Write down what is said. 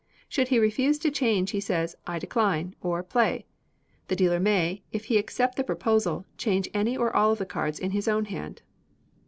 Should he refuse to change he says, "I decline," or "Play." The dealer may, if he accept the proposal, change any or all the cards in his own hand.